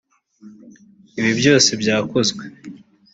Ibi byose byakozwe